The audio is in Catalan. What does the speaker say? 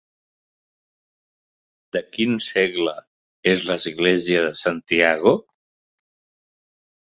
De quin segle és l'Església de Santiago?